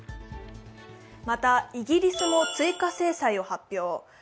またイギリスも追加制裁を発表。